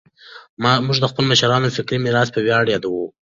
موږ د خپلو مشرانو فکري میراث په ویاړ یادوو.